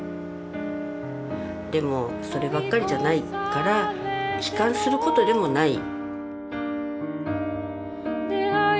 でもそればっかりじゃないから悲観することでもない。